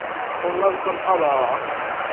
o lanpan ala!